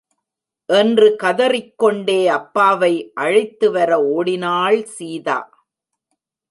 என்று கதறிக்கொண்டே அப்பாவை அழைத்துவர ஓடினாள் சீதா.